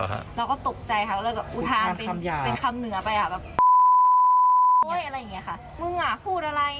ให้กูตกออกให้ไหม